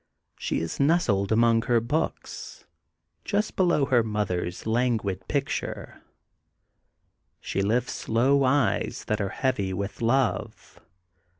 She is nestled among her books, just below her mother's languid picture. She lifts slow eyes that are heavy with love.